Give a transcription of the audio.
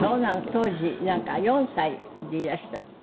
当時４歳でいらしたって？